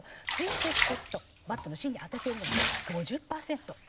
スイートスポットバットの芯に当ててるのが５０パーセント。